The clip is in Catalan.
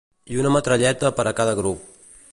I una metralleta per a cada grup